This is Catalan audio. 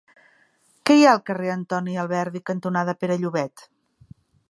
Què hi ha al carrer Antoni Alberdi cantonada Pere Llobet?